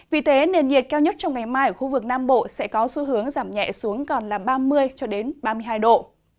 vì thế nền nhiệt cao nhất trong ngày mai ở khu vực nam bộ sẽ có xu hướng giảm nhẹ xuống còn là ba mươi ba mươi hai độ